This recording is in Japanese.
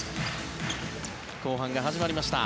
後半が始まりました。